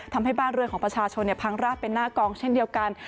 ทำให้บ้านเรือนของประชาชนพังราดเป็นหน้ากองเช่นเดียวกัน